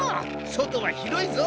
外は広いぞ。